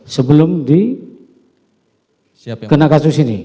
sebelum dikena kasus ini